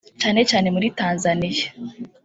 cyane cyane muri Tanzania